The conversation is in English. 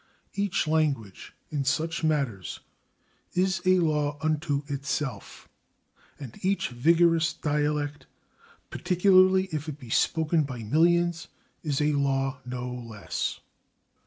" Each language, in such matters, is a law unto itself, and each vigorous dialect, particularly if it be spoken by millions, is a [Pg320] law no less.